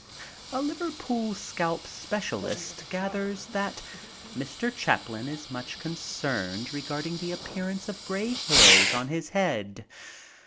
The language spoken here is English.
A Liverpool scalp specialist gathers that Mr. Chaplin is much concerned regarding the appearance of gray hairs in his head.